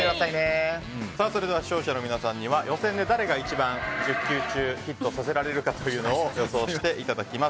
それでは視聴者の皆さんには予選で誰が一番１０球中ヒットさせられるのかというのを予想していただきます。